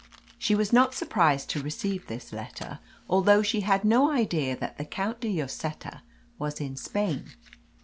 She was not surprised to receive this letter, although she had no idea that the Count de Lloseta was in Spain.